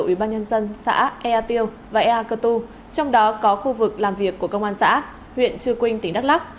ủy ban nhân dân xã ea tiêu và ea cơ tu trong đó có khu vực làm việc của công an xã huyện trư quynh tỉnh đắk lắc